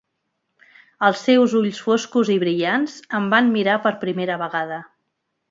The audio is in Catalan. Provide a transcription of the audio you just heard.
Els seus ulls foscs i brillants em van mirar per primera vegada.